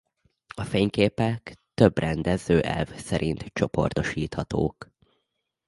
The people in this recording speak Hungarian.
A fényképek több rendező elv szerint csoportosíthatók.